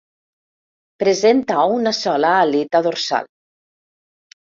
Presenta una sola aleta dorsal.